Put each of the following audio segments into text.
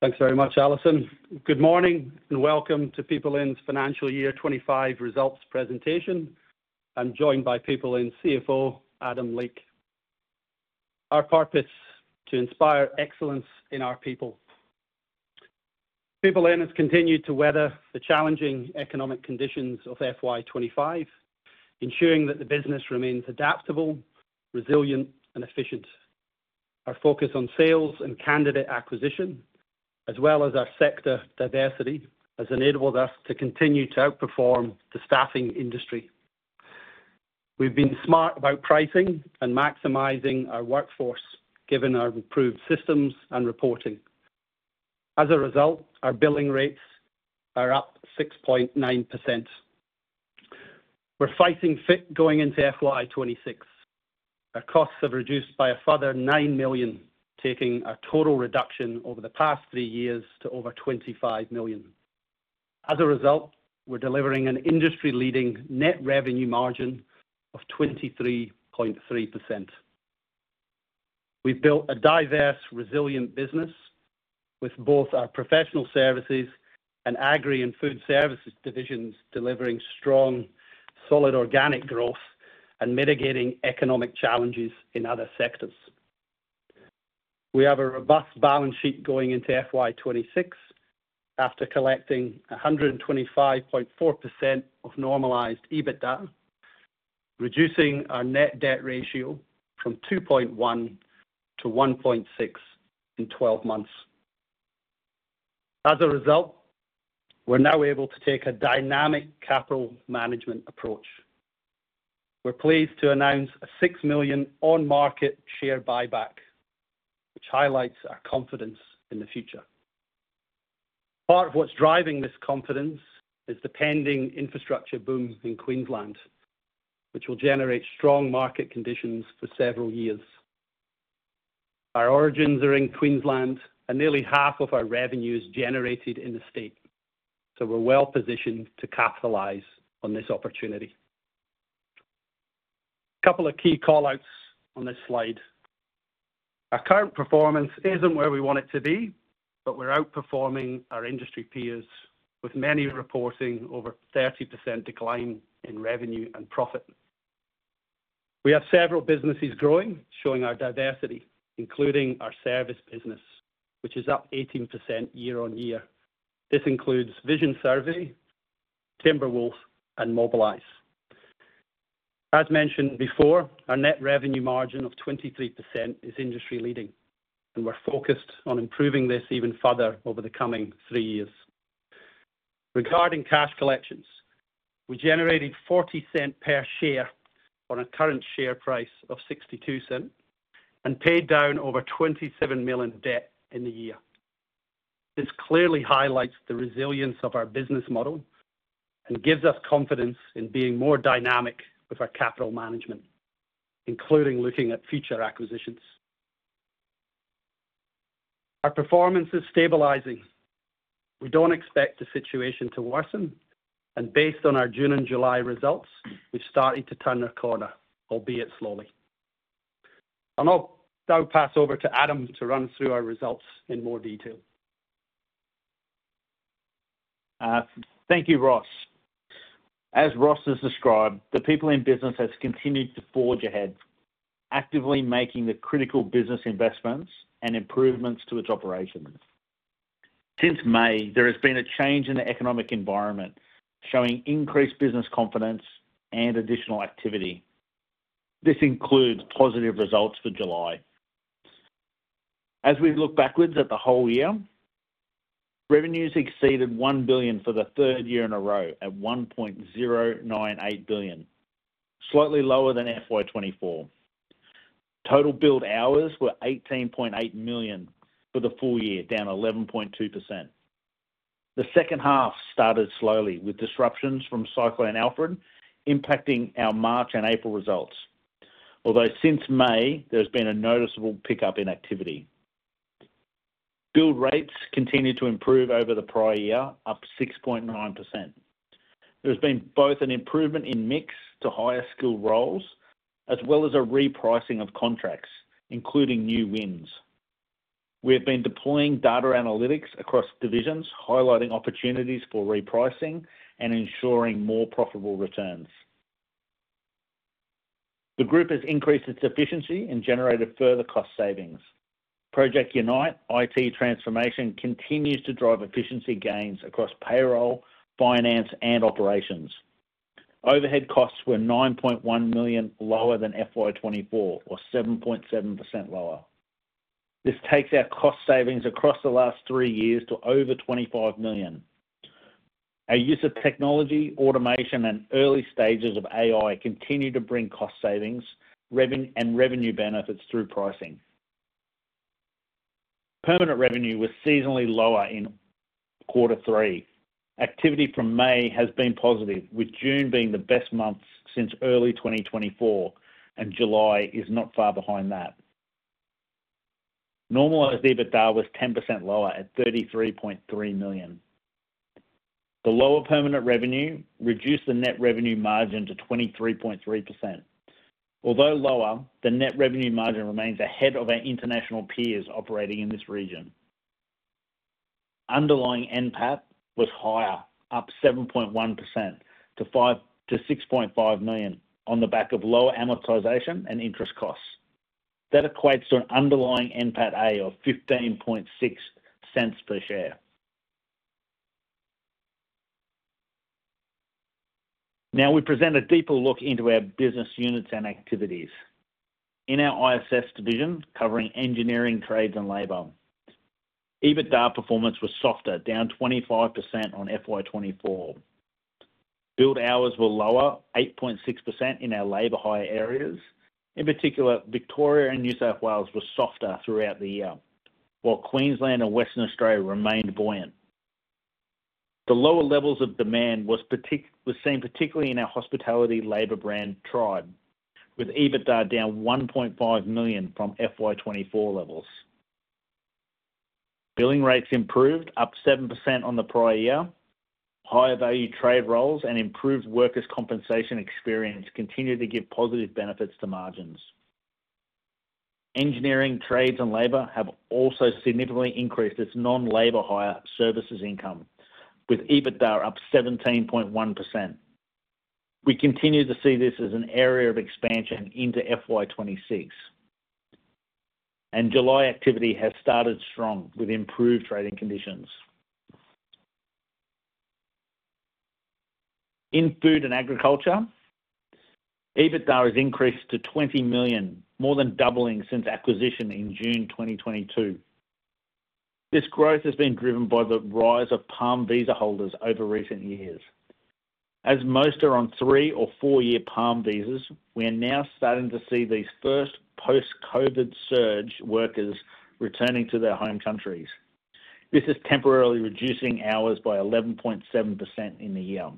Thanks very much, Alison. Good morning and welcome to PeopleIn Financial Year 2025 Results Presentation. I'm joined by PeopleIn CFO, Adam Leake. Our purpose is to inspire excellence in our people. PeopleIn has continued to weather the challenging economic conditions of FY 2025, ensuring that the business remains adaptable, resilient, and efficient. Our focus on sales and candidate acquisition, as well as our sector diversity, has enabled us to continue to outperform the staffing industry. We've been smart about pricing and maximizing our workforce, given our improved systems and reporting. As a result, our billing rates are up 6.9%. We're fighting fit going into FY 2026. Our costs have reduced by a further $9 million, taking our total reduction over the past three years to over $25 million. As a result, we're delivering an industry-leading net revenue margin of 23.3%. We've built a diverse, resilient business, with both our professional services and agri-food services divisions delivering strong, solid organic growth and mitigating economic challenges in other sectors. We have a robust balance sheet going into FY 2026 after collecting 125.4% of normalized EBITDA, reducing our net debt ratio from 2.1% to 1.6% in 12 months. As a result, we're now able to take a dynamic capital management approach. We're pleased to announce a $6 million on-market share buyback, which highlights our confidence in the future. Part of what's driving this confidence is the pending infrastructure boom in Queensland, which will generate strong market conditions for several years. Our origins are in Queensland, and nearly half of our revenue is generated in the state, so we're well positioned to capitalize on this opportunity. A couple of key callouts on this slide. Our current performance isn't where we want it to be, but we're outperforming our industry peers, with many reporting over a 30% decline in revenue and profit. We have several businesses growing, showing our diversity, including our service business, which is up 18% year on year. This includes Vision Surveys, Timberwolf, and Mobilise. As mentioned before, our net revenue margin of 23% is industry-leading, and we're focused on improving this even further over the coming three years. Regarding cash collections, we generated $0.40 per share on a current share price of $0.62 and paid down over $27 million debt in the year. This clearly highlights the resilience of our business model and gives us confidence in being more dynamic with our capital management, including looking at future acquisitions. Our performance is stabilizing. We don't expect the situation to worsen, and based on our June and July results, we've started to turn a corner, albeit slowly. I'll now pass over to Adam to run through our results in more detail. Thank you, Ross. As Ross has described, the PeopleIn business has continued to forge ahead, actively making the critical business investments and improvements to its operations. Since May, there has been a change in the economic environment, showing increased business confidence and additional activity. This includes positive results for July. As we look backwards at the whole year, revenues exceeded $1 billion for the third year in a row at $1.098 billion, slightly lower than FY 2024. Total billed hours were 18.8 million for the full year, down 11.2%. The second half started slowly with disruptions from Cyclone Alfred impacting our March and April results, although since May, there's been a noticeable pickup in activity. Billed rates continue to improve over the prior year, up 6.9%. There's been both an improvement in mix to higher skill roles, as well as a repricing of contracts, including new wins. We've been deploying data analytics across divisions, highlighting opportunities for repricing and ensuring more profitable returns. The group has increased its efficiency and generated further cost savings. Project Unite IT transformation continues to drive efficiency gains across payroll, finance, and operations. Overhead costs were $9.1 million lower than FY 2024, or 7.7% lower. This takes our cost savings across the last three years to over $25 million. Our use of technology, automation, and early stages of AI continue to bring cost savings and revenue benefits through pricing. Permanent revenue was seasonally lower in quarter three. Activity from May has been positive, with June being the best month since early 2024, and July is not far behind that. Normalized EBITDA was 10% lower at $33.3 million. The lower permanent revenue reduced the net revenue margin to 23.3%. Although lower, the net revenue margin remains ahead of our international peers operating in this region. Underlying NPAT was higher, up 7.1% to $6.5 million on the back of lower amortization and interest costs. That equates to an underlying NPAT A of $0.156 per share. Now we present a deeper look into our business units and activities. In our ISS division, covering engineering, trades, and labor, EBITDA performance was softer, down 25% on FY 2024. Billed hours were lower, 8.6% in our labor high areas. In particular, Victoria and New South Wales were softer throughout the year, while Queensland and Western Australia remained buoyant. The lower levels of demand were seen particularly in our hospitality labor brand, TRiBE, with EBITDA down $1.5 million from FY 2024 levels. Billing rates improved, up 7% on the prior year. Higher value trade roles and improved workers' compensation experience continue to give positive benefits to margins. Engineering, trades, and labor have also significantly increased its non-labor hire services income, with EBITDA up 17.1%. We continue to see this as an area of expansion into FY 2026, and July activity has started strong with improved trading conditions. In food and agriculture, EBITDA has increased to $20 million, more than doubling since acquisition in June 2022. This growth has been driven by the rise of PALM Visa holders over recent years. As most are on three or four-year PALM Visas, we are now starting to see these first post-COVID surge workers returning to their home countries. This is temporarily reducing hours by 11.7% in the year.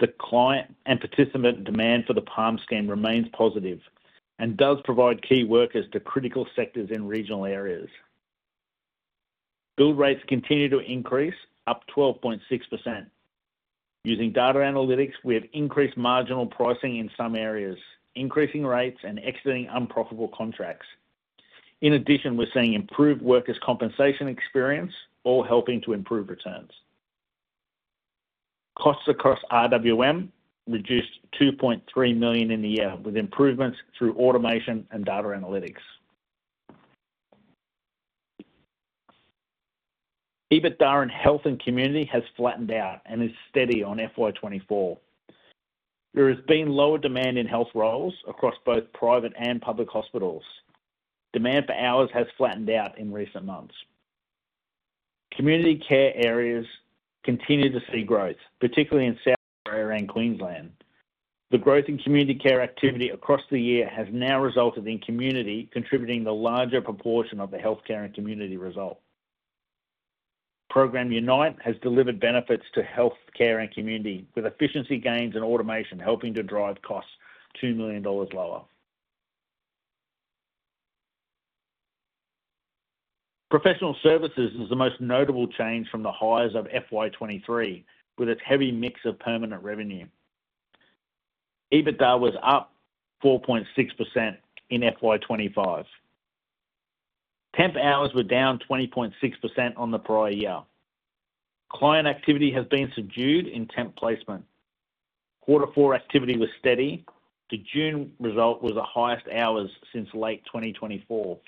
The client and participant demand for the PALM Scheme remains positive and does provide key workers to critical sectors in regional areas. Billed rates continue to increase, up 12.6%. Using data analytics, we have increased marginal pricing in some areas, increasing rates and exiting unprofitable contracts. In addition, we're seeing improved workers' compensation experience, all helping to improve returns. Costs across IWM reduced to $2.3 million in the year, with improvements through automation and data analytics. EBITDA in health and community has flattened out and is steady on FY 2024. There has been lower demand in health roles across both private and public hospitals. Demand for hours has flattened out in recent months. Community care areas continue to see growth, particularly in South Australia and Queensland. The growth in community care activity across the year has now resulted in community contributing the larger proportion of the healthcare and community result. Project Unite has delivered benefits to healthcare and community, with efficiency gains and automation helping to drive costs $2 million lower. Professional services is the most notable change from the highs of FY 2023, with its heavy mix of permanent revenue. EBITDA was up 4.6% in FY 2025. Temp hours were down 20.6% on the prior year. Client activity has been subdued in temp placement. Quarter four activity was steady. The June result was the highest hours since late 2024.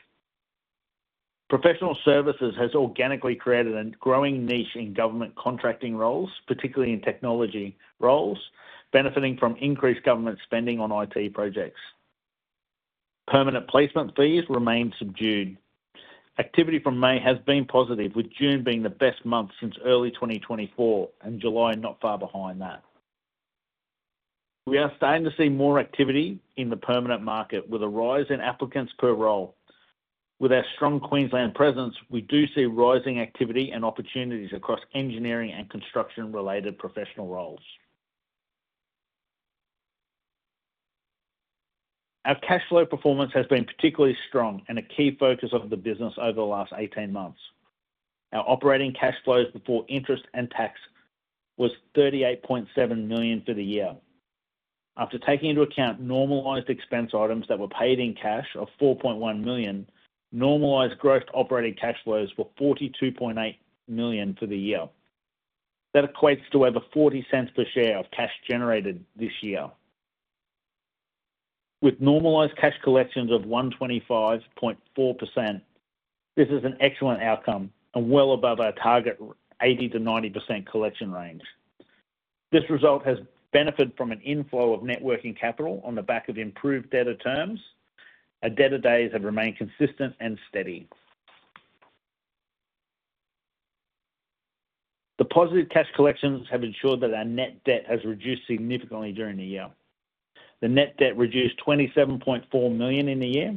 Professional services has organically created a growing niche in government contracting roles, particularly in technology roles, benefiting from increased government spending on IT projects. Permanent placement fees remain subdued. Activity from May has been positive, with June being the best month since early 2024, and July not far behind that. We are starting to see more activity in the permanent market, with a rise in applicants per role. With our strong Queensland presence, we do see rising activity and opportunities across engineering and construction-related professional roles. Our cash flow performance has been particularly strong and a key focus of the business over the last 18 months. Our operating cash flows before interest and tax were $38.7 million for the year. After taking into account normalized expense items that were paid in cash of $4.1 million, normalized gross operating cash flows were $42.8 million for the year. That equates to over $0.40 per share of cash generated this year. With normalized cash collections of 125.4%, this is an excellent outcome and well above our target 80%-90% collection range. This result has benefited from an inflow of networking capital on the back of improved debtor terms. Our debtor days have remained consistent and steady. The positive cash collections have ensured that our net debt has reduced significantly during the year. The net debt reduced $27.4 million in the year.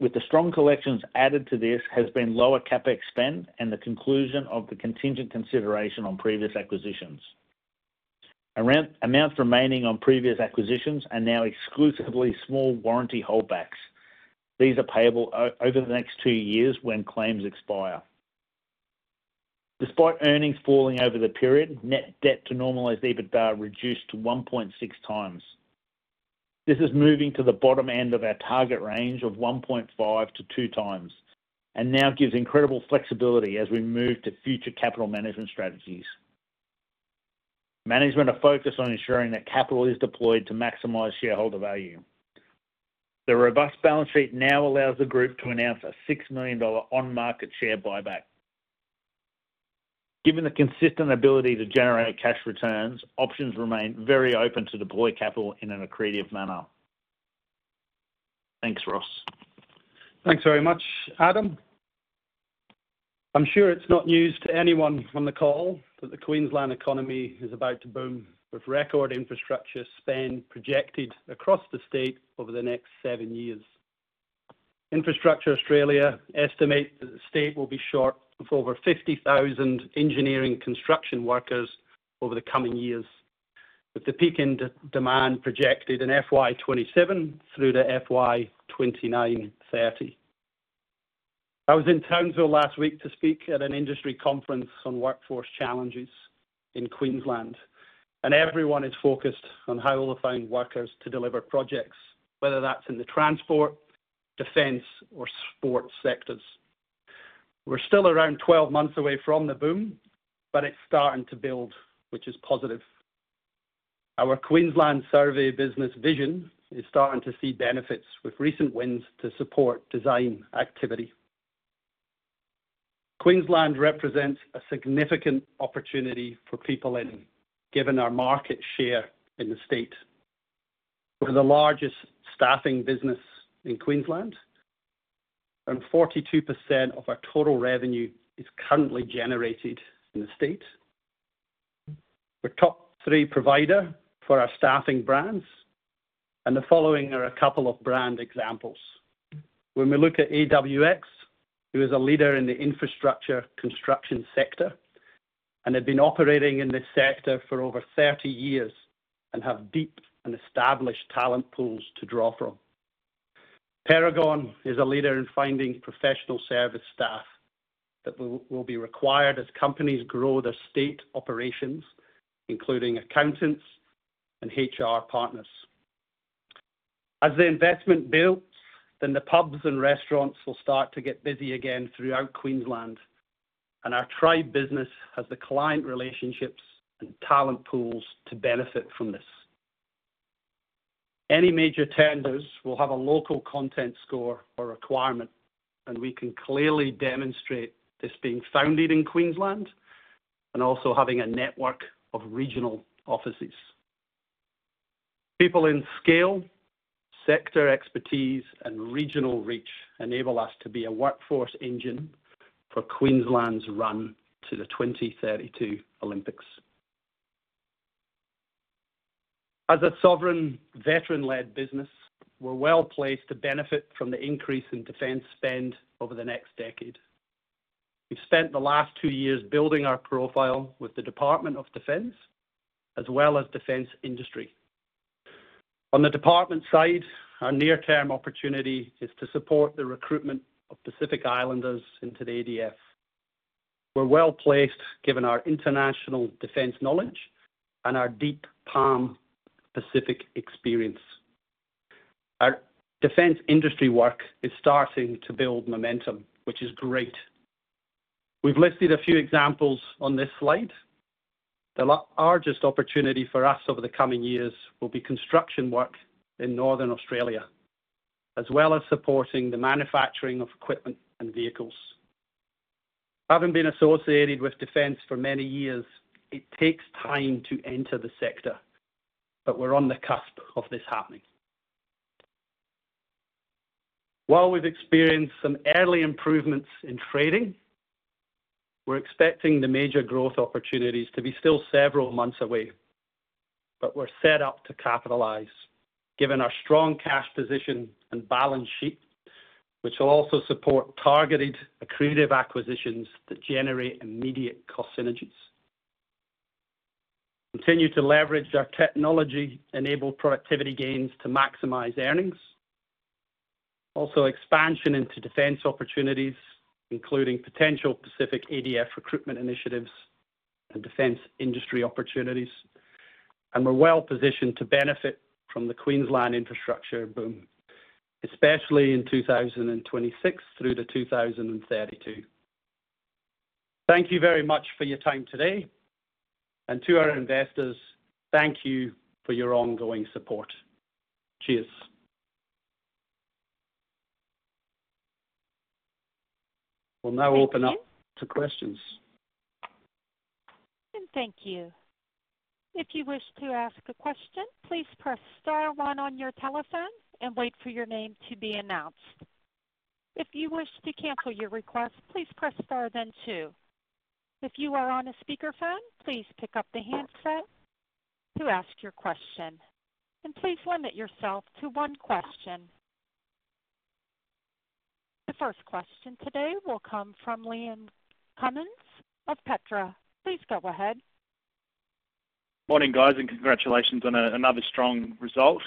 With the strong collections added to this, has been lower CapEx spend and the conclusion of the contingent consideration on previous acquisitions. Amounts remaining on previous acquisitions are now exclusively small warranty holdbacks. These are payable over the next two years when claims expire. Despite earnings falling over the period, net debt to normalized EBITDA reduced to 1.6x. This is moving to the bottom end of our target range of 1.5-2x and now gives incredible flexibility as we move to future capital management strategies. Management are focused on ensuring that capital is deployed to maximize shareholder value. The robust balance sheet now allows the group to announce a $6 million on-market share buyback. Given the consistent ability to generate cash returns, options remain very open to deploy capital in an accretive manner. Thanks, Ross. Thanks very much, Adam. I'm sure it's not news to anyone on the call that the Queensland economy is about to boom with record infrastructure spend projected across the state over the next seven years. Infrastructure Australia estimates that the state will be short of over 50,000 engineering construction workers over the coming years, with the peak in demand projected in FY 2027 through to FY 2029-FY 2030. I was in Townsville last week to speak at an industry conference on workforce challenges in Queensland, and everyone is focused on how they'll find workers to deliver projects, whether that's in the transport, defense, or sports sectors. We're still around 12 months away from the boom, but it's starting to build, which is positive. Our Queensland survey business Vision is starting to see benefits with recent wins to support design activity. Queensland represents a significant opportunity for PeopleIn, given our market share in the state. We're the largest staffing business in Queensland, and 42% of our total revenue is currently generated in the state. We're a top three provider for our staffing brands, and the following are a couple of brand examples. When we look at AWX, who is a leader in the infrastructure construction sector and have been operating in this sector for over 30 years and have deep and established talent pools to draw from. Paragon is a leader in finding professional service staff that will be required as companies grow their state operations, including accountants and HR partners. As the investment builds, then the pubs and restaurants will start to get busy again throughout Queensland, and our tri-business has the client relationships and talent pools to benefit from this. Any major tenders will have a local content score or requirement, and we can clearly demonstrate this being founded in Queensland and also having a network of regional offices. PeopleIn's scale, sector expertise, and regional reach enable us to be a workforce engine for Queensland's run to the 2032 Olympics. As a sovereign veteran-led business, we're well placed to benefit from the increase in defense spend over the next decade. We've spent the last two years building our profile with the Department of Defense, as well as defense industry. On the department side, our near-term opportunity is to support the recruitment of Pacific Islanders into the ADF. We're well placed given our international defense knowledge and our deep PALM Pacific experience. Our defense industry work is starting to build momentum, which is great. We've listed a few examples on this slide. The largest opportunity for us over the coming years will be construction work in Northern Australia, as well as supporting the manufacturing of equipment and vehicles. Having been associated with defense for many years, it takes time to enter the sector, but we're on the cusp of this happening. While we've experienced some early improvements in trading, we're expecting the major growth opportunities to be still several months away, but we're set up to capitalize, given our strong cash position and balance sheet, which will also support targeted accretive acquisitions that generate immediate cost synergies. We continue to leverage our technology-enabled productivity gains to maximize earnings. Also, expansion into defense opportunities, including potential Pacific ADF recruitment initiatives and defense industry opportunities, and we're well positioned to benefit from the Queensland infrastructure boom, especially in 2026 through to 2032. Thank you very much for your time today, and to our investors, thank you for your ongoing support. Cheers. We'll now open up to questions. Thank you. If you wish to ask a question, please press star one on your telephone and wait for your name to be announced. If you wish to cancel your request, please press star then two. If you are on a speakerphone, please pick up the handset to ask your question, and please limit yourself to one question. The first question today will come from Liam Cummins of Petra. Please go ahead. Morning guys, and congratulations on another strong result.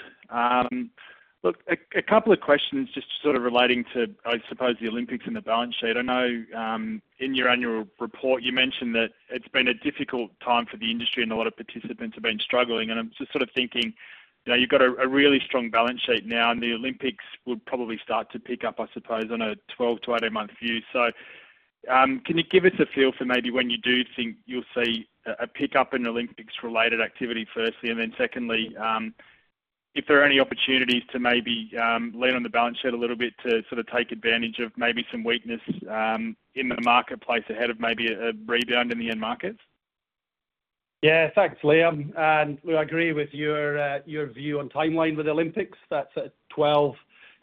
Look, a couple of questions just sort of relating to, I suppose, the Olympics and the balance sheet. I know, in your annual report, you mentioned that it's been a difficult time for the industry and a lot of participants have been struggling. I'm just sort of thinking, you know, you've got a really strong balance sheet now, and the Olympics will probably start to pick up, I suppose, on a 12 month-18 month view. Can you give us a feel for maybe when you do think you'll see a pickup in Olympics-related activity firstly, and then secondly, if there are any opportunities to maybe lean on the balance sheet a little bit to sort of take advantage of maybe some weakness in the marketplace ahead of maybe a rebound in the end markets? Yeah, thanks, Liam. We agree with your view on timeline with Olympics. That's at 12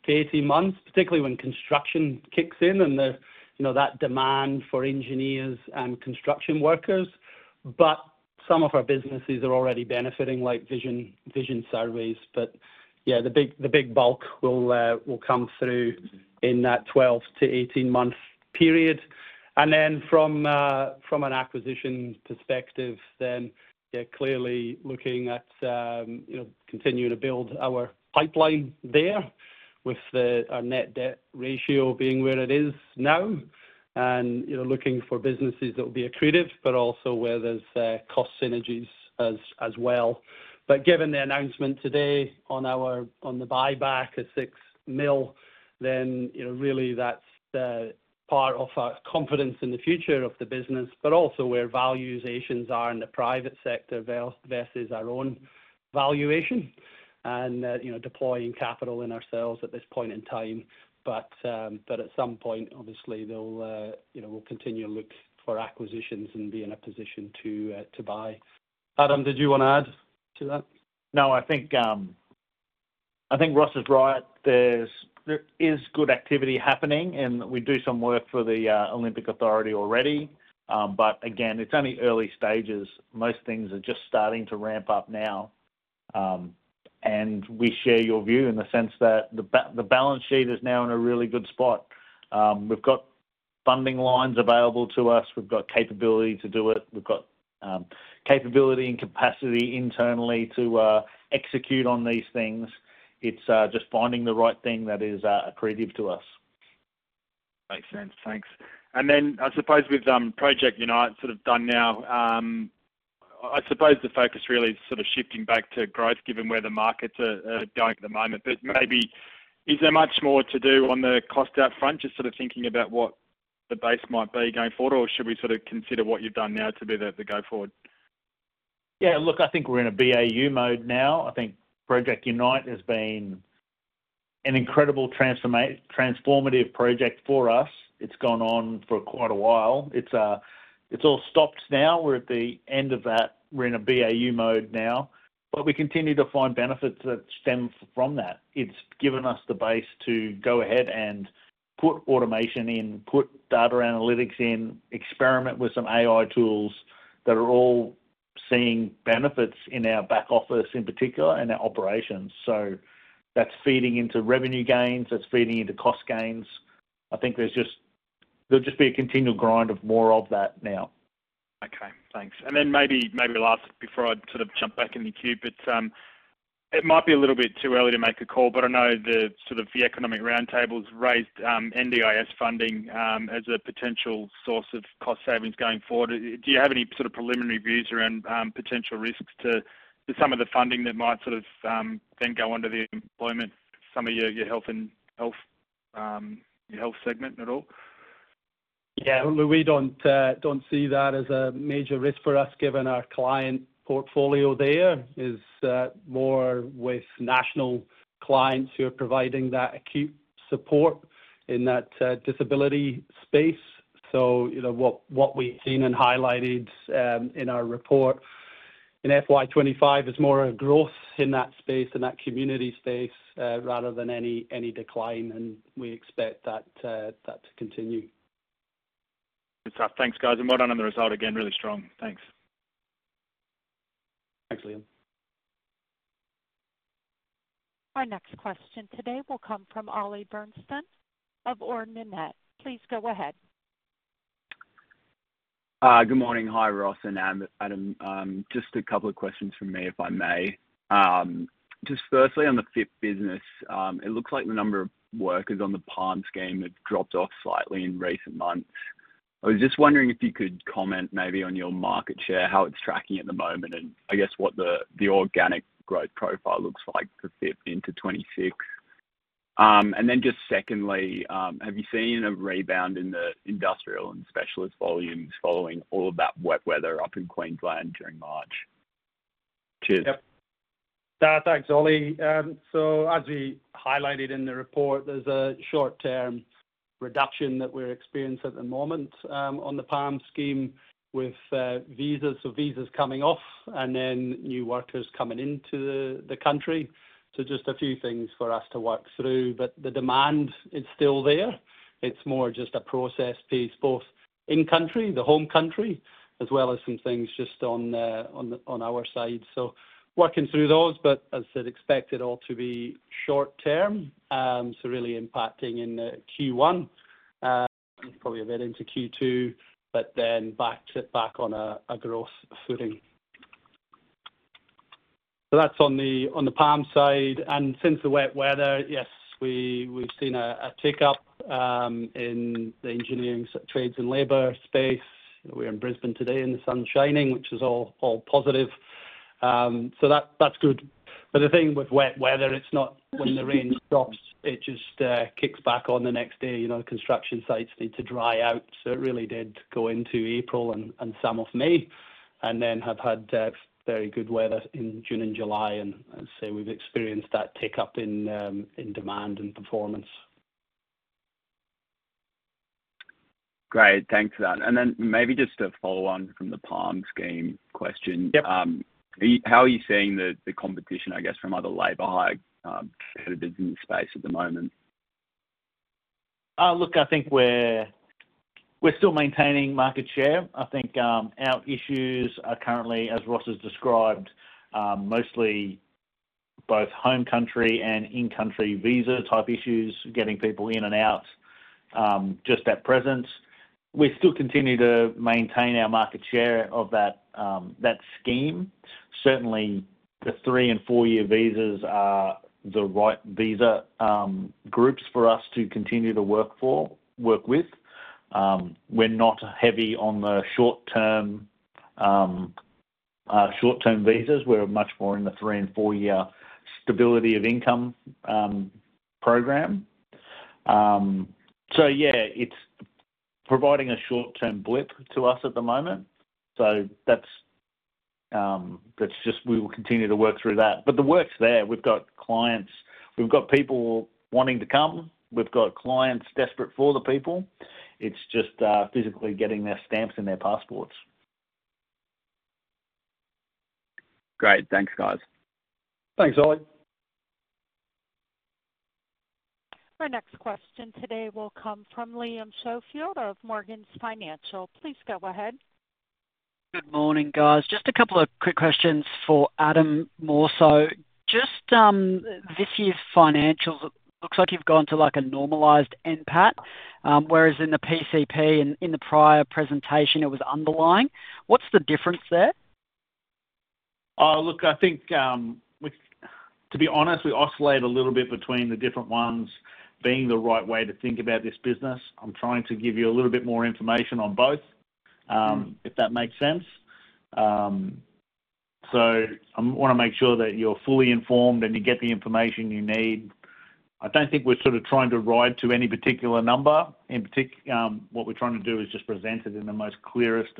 month-18 months, particularly when construction kicks in and that demand for engineers and construction workers. Some of our businesses are already benefiting, like Vision Surveys. The big bulk will come through in that 12 month-18 month period. From an acquisition perspective, clearly looking at continuing to build our pipeline there with our net debt ratio being where it is now and looking for businesses that will be accretive, but also where there's cost synergies as well. Given the announcement today on the buyback at $6 million, that's part of our confidence in the future of the business, but also where valuations are in the private sector versus our own valuation and deploying capital in ourselves at this point in time. At some point, obviously, we'll continue to look for acquisitions and be in a position to buy. Adam, did you want to add to that? I think Ross is right. There is good activity happening, and we do some work for the Olympic Authority already. It is only early stages. Most things are just starting to ramp up now, and we share your view in the sense that the balance sheet is now in a really good spot. We've got funding lines available to us. We've got capability to do it. We've got capability and capacity internally to execute on these things. It's just finding the right thing that is accretive to us. Makes sense. Thanks. I suppose with Project Unite sort of done now, I suppose the focus really is sort of shifting back to growth given where the markets are going at the moment. Maybe is there much more to do on the cost out front, just sort of thinking about what the base might be going forward, or should we sort of consider what you've done now to be the go forward? Yeah, look, I think we're in a BAU mode now. I think Project Unite has been an incredible transformative project for us. It's gone on for quite a while. It's all stopped now. We're at the end of that. We're in a BAU mode now, but we continue to find benefits that stem from that. It's given us the base to go ahead and put automation in, put data analytics in, experiment with some AI tools that are all seeing benefits in our back office in particular and our operations. That's feeding into revenue gains. That's feeding into cost gains. I think there'll just be a continual grind of more of that now. Okay, thanks. Maybe last before I sort of jump back in the queue, it might be a little bit too early to make a call, but I know the sort of the economic roundtables raised NDIS funding as a potential source of cost savings going forward. Do you have any sort of preliminary views around potential risks to some of the funding that might sort of then go onto the employment, some of your health segment and all? We don't see that as a major risk for us given our client portfolio is more with national clients who are providing that acute support in that disability space. What we've seen and highlighted in our report in FY 2025 is more a growth in that space and that community space, rather than any decline. We expect that to continue. Thanks, guys. Well done on the result again, really strong. Thanks. Thanks, Liam. Our next question today will come from Ollie Bernston of Ord Minnett. Please go ahead. Good morning. Hi, Ross, and Adam. Just a couple of questions from me, if I may. Firstly, on the fifth business, it looks like the number of workers on the PALM Scheme have dropped off slightly in recent months. I was just wondering if you could comment maybe on your market share, how it's tracking at the moment, and I guess what the organic growth profile looks like for fifth into 2026. Secondly, have you seen a rebound in the industrial and specialist volumes following all of that wet weather up in Queensland during March? Cheers. Yep. Thanks, Ollie. As we highlighted in the report, there's a short-term reduction that we're experiencing at the moment on the PALM Scheme with visas coming off and then new workers coming into the country. Just a few things for us to work through, but the demand is still there. It's more just a process piece, both in country, the home country, as well as some things just on our side. Working through those, as I said, expected all to be short-term. Really impacting in Q1, probably a bit into Q2, but then back to back on a growth footing. That's on the PALM side. Since the wet weather, yes, we've seen a tick up in the engineering and trades and labor space. We're in Brisbane today and the sun's shining, which is all positive. That's good. The thing with wet weather, it's not when the rain stops, it just kicks back on the next day. The construction sites need to dry out, so it really did go into April and some of May and then have had very good weather in June and July. I'd say we've experienced that tick up in demand and performance. Great. Thanks for that. Maybe just a follow-on from the PALM Scheme question. How are you seeing the competition, I guess, from other labor hire businesses in the space at the moment? Look, I think we're still maintaining market share. I think our issues are currently, as Ross has described, mostly both home country and in-country visa type issues, getting people in and out. At present, we still continue to maintain our market share of that scheme. Certainly, the three and four-year visas are the right visa groups for us to continue to work for, work with. We're not heavy on the short-term visas. We're much more in the three and four-year stability of income program. It's providing a short-term blip to us at the moment. We will continue to work through that. The work's there. We've got clients. We've got people wanting to come. We've got clients desperate for the people. It's just physically getting their stamps and their passports. Great. Thanks, guys. Thanks, Ollie. Our next question today will come from Liam Schofield of Morgan's Financial. Please go ahead. Good morning, guys. Just a couple of quick questions for Adam more so. Just this year's financials, it looks like you've gone to like a normalized NPAT, whereas in the PCP and in the prior presentation, it was underlying. What's the difference there? I think, to be honest, we oscillate a little bit between the different ones being the right way to think about this business. I'm trying to give you a little bit more information on both, if that makes sense. I want to make sure that you're fully informed and you get the information you need. I don't think we're trying to ride to any particular number. In particular, what we're trying to do is just present it in the most clearest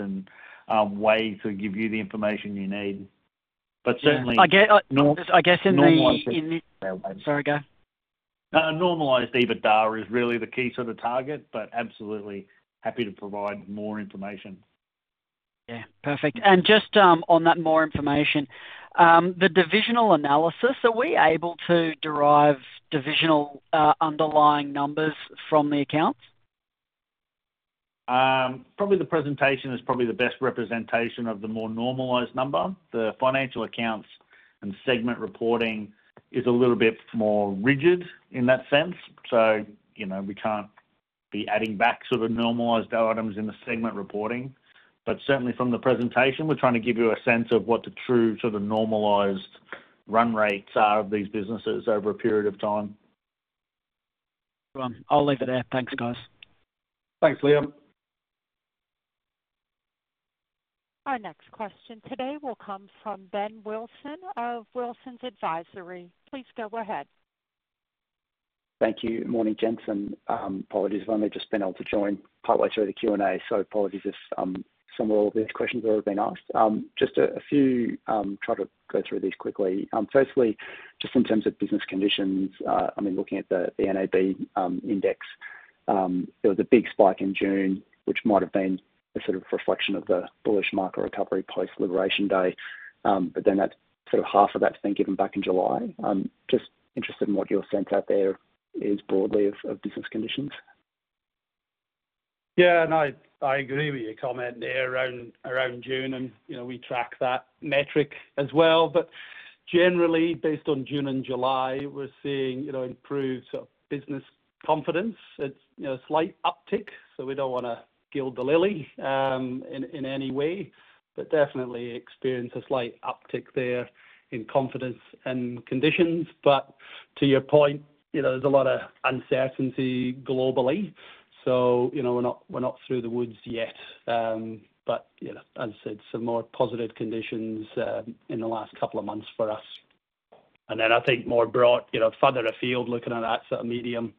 way to give you the information you need. I guess in the... Sorry, go. A normalized EBITDA is really the key sort of target, but absolutely happy to provide more information. Perfect. Just on that more information, the divisional analysis, are we able to derive divisional underlying numbers from the accounts? The presentation is probably the best representation of the more normalized number. The financial accounts and segment reporting is a little bit more rigid in that sense. We can't be adding back sort of normalized items in the segment reporting. Certainly from the presentation, we're trying to give you a sense of what the true sort of normalized run rates are of these businesses over a period of time. I'll leave it there. Thanks, guys. Thanks, Liam. Our next question today will come from Ben Wilson of Wilsons Advisory. Please go ahead. Thank you. Morning, Jensen. Apologies if I may have just been able to join partway through the Q&A. Apologies if some or all of these questions have already been asked. Just a few, I'll try to go through these quickly. Firstly, just in terms of business conditions, I mean, looking at the NAB index, there was a big spike in June, which might have been a sort of reflection of the bullish market recovery post-Liberation Day. That's sort of half of that's been given back in July. I'm just interested in what your sense out there is broadly of business conditions. Yeah, I agree with your comment there around June. We track that metric as well. Generally, based on June and July, we're seeing improved sort of business confidence. It's a slight uptick. We don't want to gild the lily in any way, but definitely experience a slight uptick there in confidence and conditions. To your point, there's a lot of uncertainty globally. We're not through the woods yet. As I said, some more positive conditions in the last couple of months for us. I think more broadly, further afield looking at that sort of medium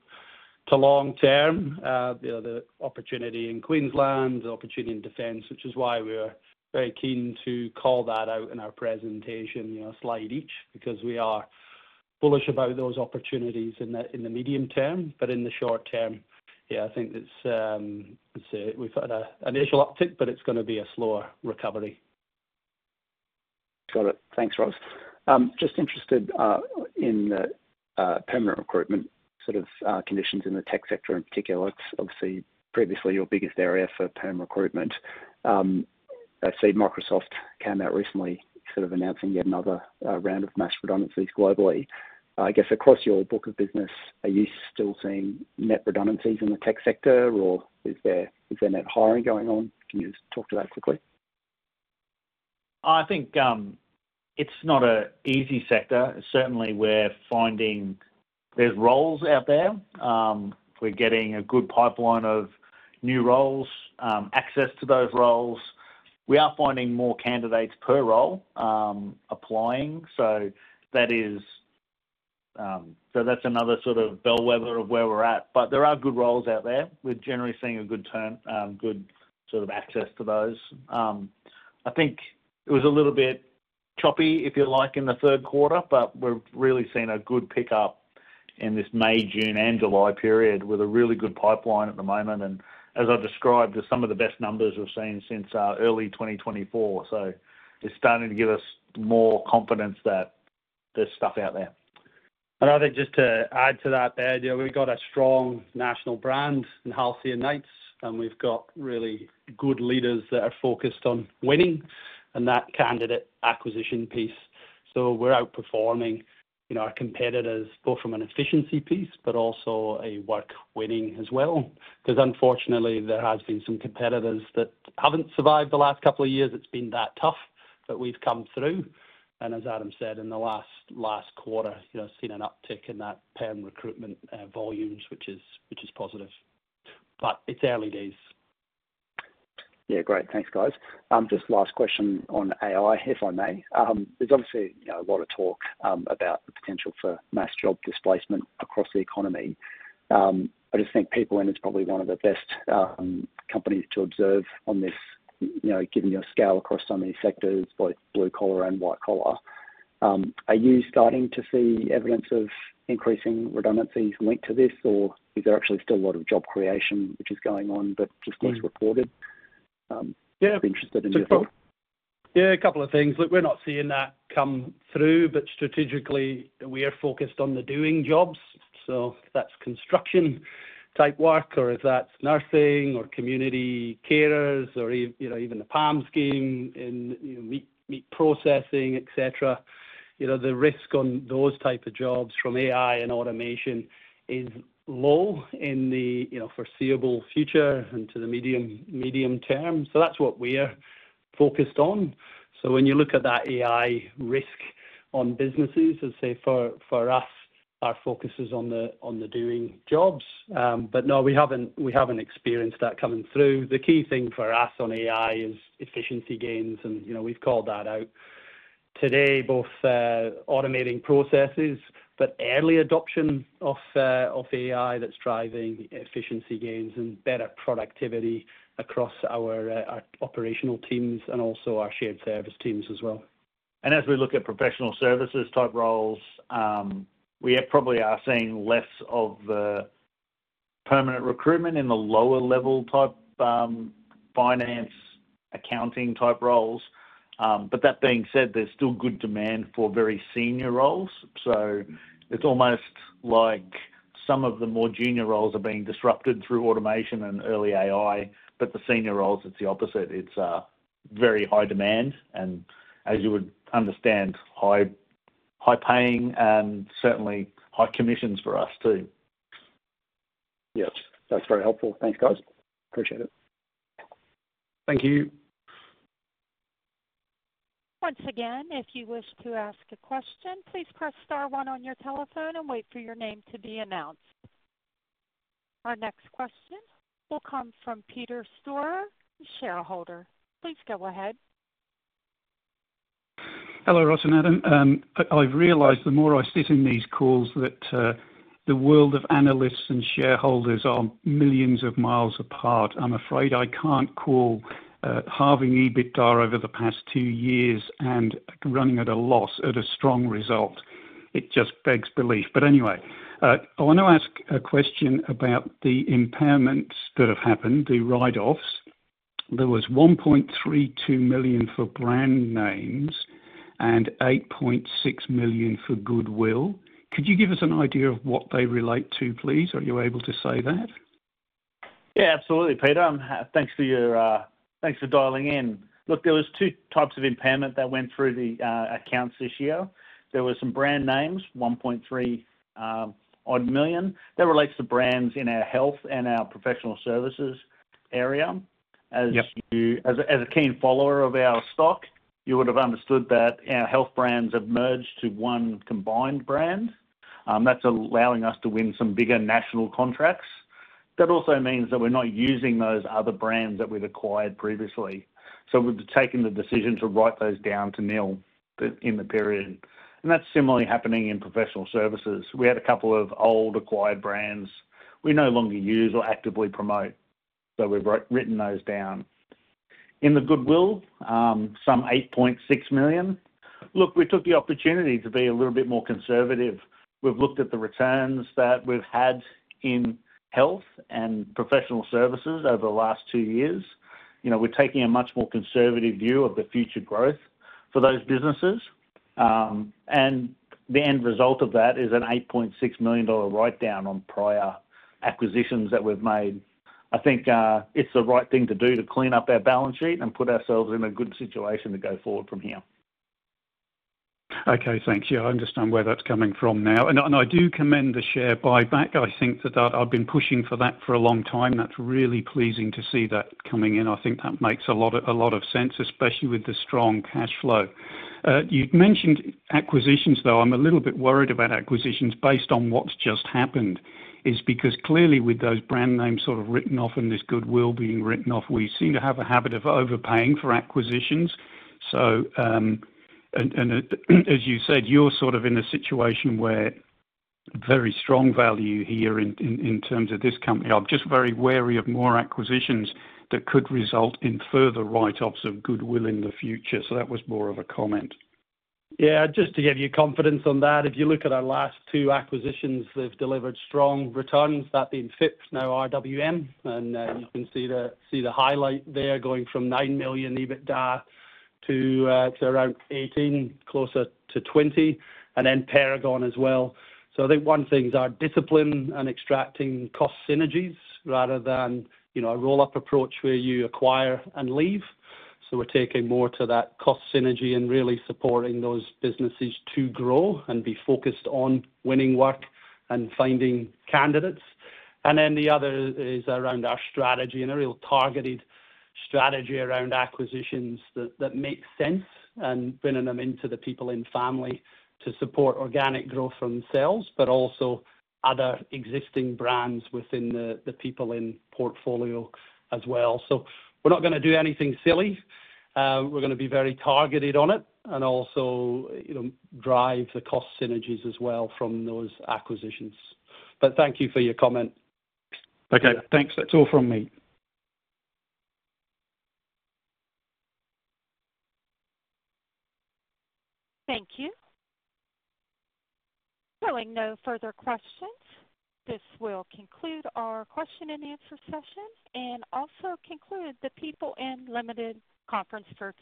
to long term, the opportunity in Queensland, the opportunity in defense, which is why we're very keen to call that out in our presentation, slide eight, because we are bullish about those opportunities in the medium term. In the short term, I think it's, let's say, we've had an initial uptick, but it's going to be a slower recovery. Got it. Thanks, Ross. Just interested in the perm recruitment sort of conditions in the tech sector in particular. It's obviously previously your biggest area for perm recruitment. I see Microsoft came out recently announcing yet another round of mass redundancies globally. I guess across your book of business, are you still seeing net redundancies in the tech sector or is there net hiring going on? Can you talk to that quickly? I think it's not an easy sector. Certainly, we're finding there's roles out there. We're getting a good pipeline of new roles, access to those roles. We are finding more candidates per role applying. That is another sort of bellwether of where we're at. There are good roles out there. We're generally seeing a good turn, good sort of access to those. I think it was a little bit choppy, if you like, in the third quarter. We're really seeing a good pickup in this May, June, and July period with a really good pipeline at the moment. As I described, there's some of the best numbers we've seen since early 2024. It's starting to give us more confidence that there's stuff out there. I think just to add to that, we've got a strong national brand, and we've got really good leaders that are focused on winning and that candidate acquisition piece. We're outperforming our competitors, both from an efficiency piece, but also a work winning as well. Unfortunately, there have been some competitors that haven't survived the last couple of years. It's been that tough, but we've come through. As Adam said, in the last quarter, you know, seen an uptick in that permanent recruitment volumes, which is positive. It's early days. Yeah, great. Thanks, guys. Just last question on AI, if I may. There's obviously a lot of talk about the potential for mass job displacement across the economy. I just think PeopleIn is probably one of the best companies to observe on this, given your scale across so many sectors, both blue collar and white collar. Are you starting to see evidence of increasing redundancies linked to this, or is there actually still a lot of job creation which is going on, but just less reported? Yeah, I'm interested in your thought. A couple of things. Look, we're not seeing that come through, but strategically, we are focused on the doing jobs. If that's construction type work, or if that's nursing or community carers, or even the PALM Scheme in meat processing, et cetera, the risk on those types of jobs from AI and automation is low in the foreseeable future and to the medium term. That's what we're focused on. When you look at that AI risk on businesses, I'd say for us, our focus is on the doing jobs. No, we haven't experienced that coming through. The key thing for us on AI is efficiency gains, and we've called that out today, both automating processes, but early adoption of AI that's driving efficiency gains and better productivity across our operational teams and also our shared service teams as well. As we look at professional services type roles, we probably are seeing less of the permanent recruitment in the lower level type, finance, accounting type roles. That being said, there's still good demand for very senior roles. It's almost like some of the more junior roles are being disrupted through automation and early AI, but the senior roles, it's the opposite. It's a very high demand, and as you would understand, high paying and certainly high commissions for us too. Yeah, that's very helpful. Thanks, guys. Appreciate it. Thank you. Once again, if you wish to ask a question, please press star one on your telephone and wait for your name to be announced. Our next question will come from Peter Storer, shareholder. Please go ahead. Hello, Ross and Adam. I've realized the more I sit in these calls that the world of analysts and shareholders are millions of miles apart. I'm afraid I can't call halving EBITDA over the past two years and running at a loss a strong result. It just begs belief. I want to ask a question about the impairments that have happened, the write-offs. There was $1.32 million for brand names and $8.6 million for goodwill. Could you give us an idea of what they relate to, please? Are you able to say that? Yeah, absolutely, Peter. Thanks for your, thanks for dialing in. Look, there were two types of impairment that went through the accounts this year. There were some brand names, $1.3 million. That relates to brands in our health and our professional services area. As you, as a keen follower of our stock, you would have understood that our health brands have merged to one combined brand. That's allowing us to win some bigger national contracts. That also means that we're not using those other brands that we've acquired previously. We've taken the decision to write those down to nil in the period. That's similarly happening in professional services. We had a couple of old acquired brands we no longer use or actively promote. We've written those down. In the goodwill, some $8.6 million. Look, we took the opportunity to be a little bit more conservative. We've looked at the returns that we've had in health and professional services over the last two years. We're taking a much more conservative view of the future growth for those businesses. The end result of that is an $8.6 million write-down on prior acquisitions that we've made. I think it's the right thing to do to clean up our balance sheet and put ourselves in a good situation to go forward from here. Okay, thanks. Yeah, I understand where that's coming from now. I do commend the share buyback. I think that I've been pushing for that for a long time. That's really pleasing to see that coming in. I think that makes a lot of sense, especially with the strong cash flow. You'd mentioned acquisitions, though. I'm a little bit worried about acquisitions based on what's just happened. It's because clearly with those brand names sort of written off and this goodwill being written off, we seem to have a habit of overpaying for acquisitions. As you said, you're sort of in a situation where very strong value here in terms of this company. I'm just very wary of more acquisitions that could result in further write-offs of goodwill in the future. That was more of a comment. Yeah, just to give you confidence on that, if you look at our last two acquisitions, they've delivered strong returns. That being FIPF, now RWM. You can see the highlight there going from $9 million EBITDA to around $18 million, closer to $20 million, and then Paragon as well. I think one thing is our discipline in extracting cost synergies rather than a roll-up approach where you acquire and leave. We're taking more to that cost synergy and really supporting those businesses to grow and be focused on winning work and finding candidates. The other is around our strategy and a real targeted strategy around acquisitions that make sense and bringing them into the PeopleIn family to support organic growth for themselves, but also other existing brands within the PeopleIn portfolio as well. We're not going to do anything silly. We're going to be very targeted on it and also, you know, drive the cost synergies as well from those acquisitions. Thank you for your comment. Okay, thanks. That's all from me. Thank you. Showing no further questions. This will conclude our question and-answer session and also conclude the PeopleIn Ltd conference for.